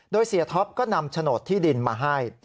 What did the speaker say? โดยเสียท็อปก็นำโฉนดที่ดินมาให้